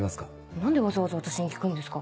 何でわざわざ私に聞くんですか？